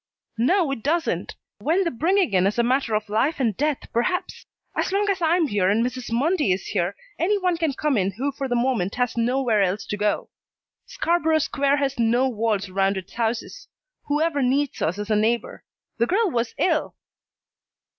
"No, it doesn't when the bringing in is a matter of life and death, perhaps! As long as I am here and Mrs. Mundy is here, any one can come in who for the moment has nowhere else to go. Scarborough Square has no walls around its houses. Whoever needs us is a neighbor. The girl was ill."